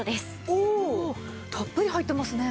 おおたっぷり入ってますね。